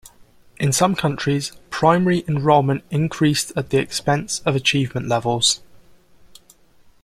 In some countries, primary enrollment increased at the expense of achievement levels.